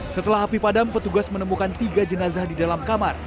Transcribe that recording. setelah api padam petugas menemukan tiga jenazah di dalam kamar